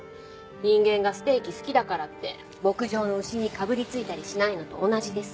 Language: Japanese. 人間がステーキ好きだからって牧場の牛にかぶりついたりしないのと同じでさ。